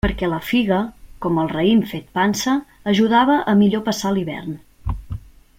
Perquè la figa, com el raïm fet pansa, ajudava a millor passar l'hivern.